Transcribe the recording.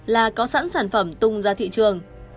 là có sẵn sản phẩm tung ra thị trường